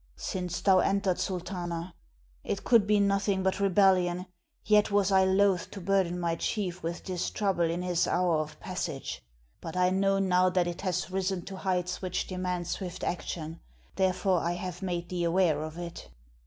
"Since thou entered, Sultana. It could be nothing but rebellion; yet was I loath to burden my chief with this trouble in his hour of passage. But I know now that it has risen to heights which demand swift action; therefore I have made thee aware of it."